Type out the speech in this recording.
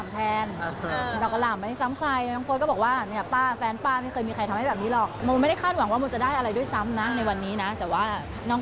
เป็นคนโสดครับอันทาง